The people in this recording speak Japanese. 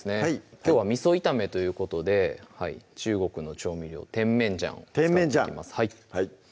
きょうは「味炒め」ということで中国の調味料・甜麺醤を使っていきます